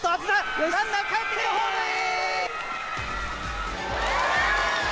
ランナーかえってくる、ホームイン！